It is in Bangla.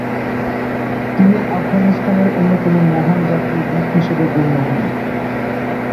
তিনি আফগানিস্তানের অন্যতম মহান জাতীয় বীর হিসেবে গণ্য হন।